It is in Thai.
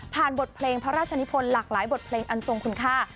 บทเพลงพระราชนิพลหลากหลายบทเพลงอันทรงคุณค่า